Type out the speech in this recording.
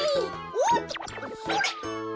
おっとそれ！